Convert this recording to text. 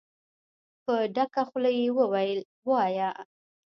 په ډکه خوله يې وويل: وايه!